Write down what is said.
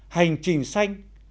hành trình xanh